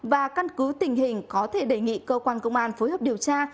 và căn cứ tình hình có thể đề nghị cơ quan công an phối hợp điều tra